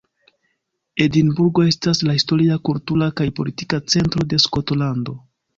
Edinburgo estas la historia, kultura kaj politika centro de Skotlando.